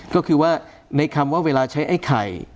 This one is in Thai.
ก็คือว่าในคำว่าเวลาใช้ไอ้ไข่